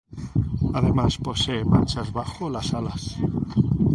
Además posee manchas bajo las alas.